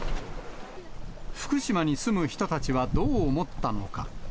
福島に住む人たちはどう思ったのか。